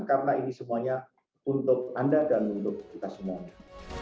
karena ini semuanya untuk anda dan untuk kita semua